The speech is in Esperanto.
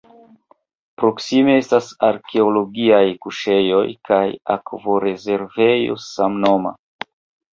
Proksime estas arkeologiaj kuŝejoj kaj akvorezervejo samnoma.